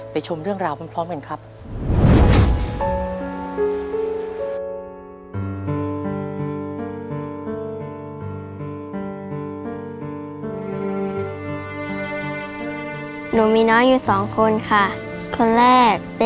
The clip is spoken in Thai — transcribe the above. ชมเรื่องราวพร้อมกันครับ